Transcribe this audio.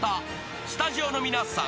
［スタジオの皆さん。